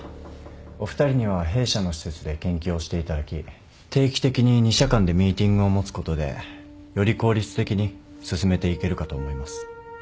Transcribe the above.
お二人には弊社の施設で研究をしていただき定期的に２社間でミーティングを持つことでより効率的に進めていけるかと思います。